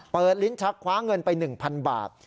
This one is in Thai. เปิดลิ้นชักขวาเงินไป๑๐๐๐บาท